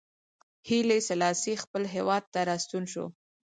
هیلي سلاسي خپل هېواد ته راستون شو.